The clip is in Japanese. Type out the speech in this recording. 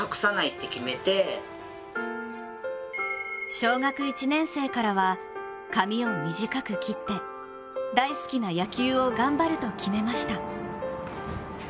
小学１年生からは髪を短く切って大好きな野球を頑張ると決めました。